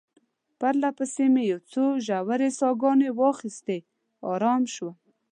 پرله پسې مې یو څو ژورې ساه ګانې واخیستې، آرام شوم.